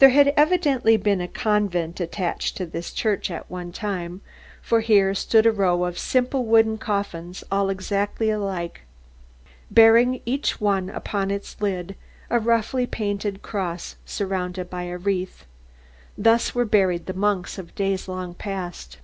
There had evidently been a convent attached to this church at one time; for here stood a row of simple wooden coffins all exactly alike, bearing each one upon its lid a roughly painted cross surrounded by a wreath. Thus were buried the monks of days long past.